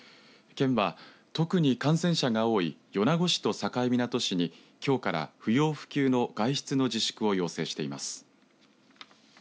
県は、特に感染者が多い米子市と境港市にきょうから不要不急の外出の自粛を要請しています。